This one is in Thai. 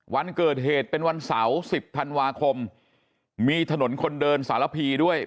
วันเกิดเหตุเป็นวันเสาร์๑๐ธันวาคมมีถนนคนเดินสารพีด้วย